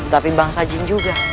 tapi bangsa jin juga